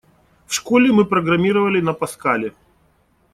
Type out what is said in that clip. В школе мы программировали на Паскале.